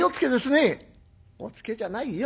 「おつけじゃないよ。